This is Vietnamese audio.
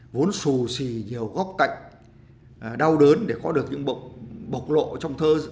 vốn xù xì nhiều góc cạnh đau đớn để có được những bộc lộ trong thơ